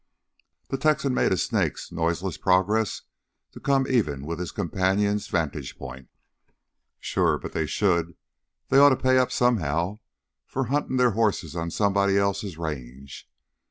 The Texan made a snake's noiseless progress to come even with his companion's vantage point. "Sure, but then they should ... they ought to pay up somehow for huntin' their hosses on somebody else's range.